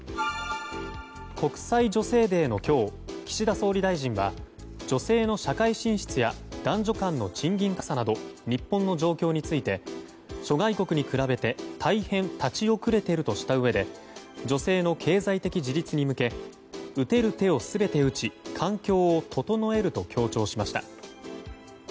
国際女性デーの今日岸田総理大臣は女性の社会進出や男女間の賃金格差など日本の状況について諸外国に比べて大変立ち遅れているとしたうえで女性の経済的自立に向け打てる手を全て打ち環境を整えると強調しました。